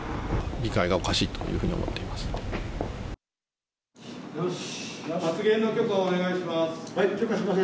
議会がおかしいというふうに思っております。